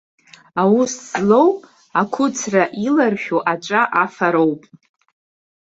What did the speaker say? Аус злоу, ақәыцра иларшәу аҵәа афароуп.